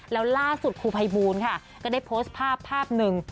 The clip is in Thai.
แล้วล่าสุดครูภัยบูลค่ะก็ได้โพสต์ภาพภาพหนึ่ง